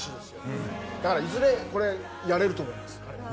だからいずれこれやれると思います彼は。